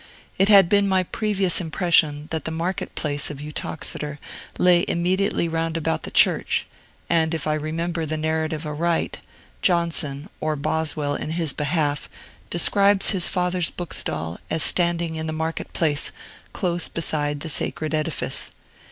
It had been my previous impression that the market place of Uttoxeter lay immediately roundabout the church; and, if I remember the narrative aright, Johnson, or Boswell in his behalf, describes his father's book stall as standing in the market place, close beside the sacred edifice.